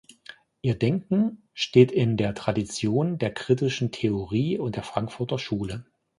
Ihr Denken steht in der Tradition der kritischen Theorie und der Frankfurter Schule.